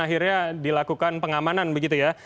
akhirnya dilakukan pengamanan begitu ya